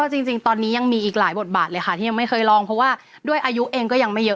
ด้วยที่ทุกคนยังแต่งเราต้องรีบมาให้อธิบาย